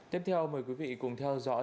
tiếp theo mời quý vị cùng theo dõi